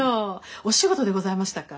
お仕事でございましたか？